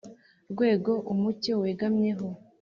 Rwego umuco wegamyeho